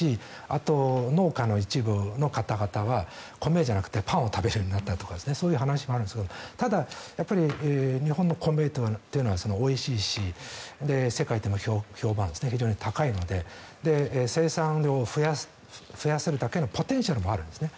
あと、農家の一部の方々は米じゃなくてパンを食べるようになったとかそういう話もあるんですけどただ、日本の米というのはおいしいし世界でも評判が非常に高いので生産量を増やせるだけのポテンシャルもあるんですね。